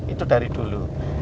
itu dari dulu